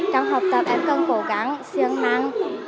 trong học tập em cần cố gắng siêng năng